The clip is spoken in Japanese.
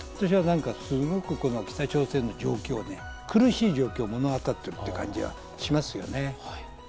すごく北朝鮮の状況、苦しい状況を物語っているという感じがしますね。